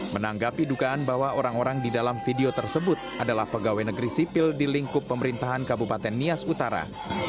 menanggapi dugaan bahwa orang orang di dalam video tersebut adalah pegawai negeri sipil di lingkup pemerintahan kabupaten nias utara